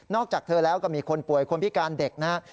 จากเธอแล้วก็มีคนป่วยคนพิการเด็กนะครับ